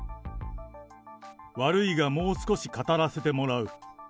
悪いがもう少し語らせてもらう。